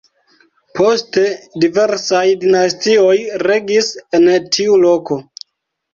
Poste diversaj dinastioj regis en tiu loko.